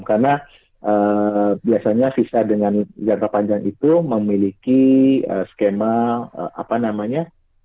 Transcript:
karena biasanya visa dengan jangka panjang itu memiliki skema apa namanya